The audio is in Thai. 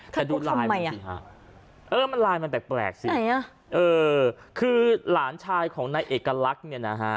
ทำไมอ่ะเออมันลายแปลกซิไหนอ่ะคือหลานชายของนายเอกลักษณ์เนี่ยนะฮะ